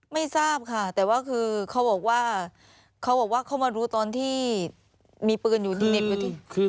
ไม่ทราบค่ะแต่ว่าคือเขาบอกว่าเขามารู้ตอนที่มีปืนอยู่ที่เน็ตอยู่ที่